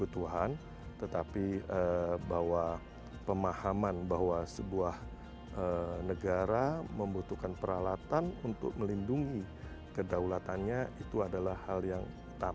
mengatur kebutuhan tetapi bahwa pemahaman bahwa sebuah negara membutuhkan peralatan untuk melindungi kedaulatannya itu adalah hal yang ketama